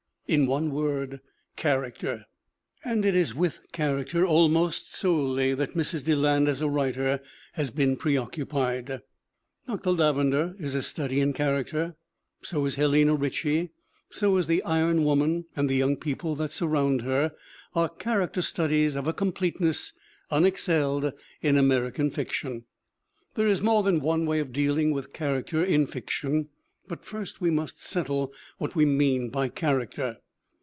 In one word : character. And it is with character almost solely that Mrs. Deland as a writer has been preoccupied. Dr. Lavendar is a study in character, so is Helena Richie, so is the Iron Woman; and the young people that surround her are character studies of a completeness unexcelled in American fiction. There is more than one way of dealing with char acter in fiction. But first we must settle what we mean by character.